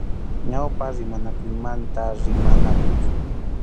Ñawpa rimaykunamanta rimanakuy.